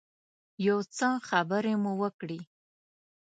یو څه خبرې مو وکړې.